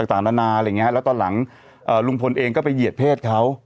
ต่างนานาอะไรอย่างเงี้ยแล้วตอนหลังลุงพลเองก็ไปเหยียดเพศเขา